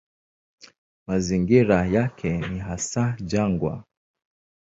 Mazingira yake ni hasa jangwa.